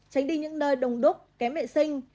tránh đi những nơi đông đúc kém vệ sinh